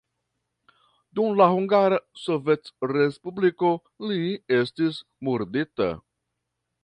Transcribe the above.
Dum la Hungara Sovetrespubliko li estis murdita.